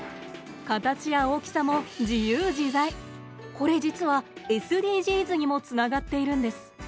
これ実はＳＤＧｓにもつながっているんです。